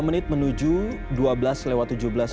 dua menit menuju dua belas lewat tujuh belas menit